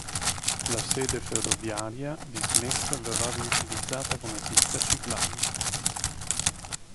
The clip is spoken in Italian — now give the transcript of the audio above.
La sede ferroviaria dismessa verrà riutilizzata come pista ciclabile.